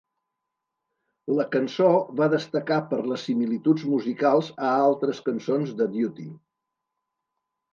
La cançó va destacar per les similituds musicals a altres cançons de "Duty".